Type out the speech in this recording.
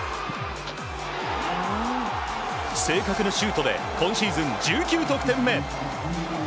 正確なシュートで今シーズン１９得点目！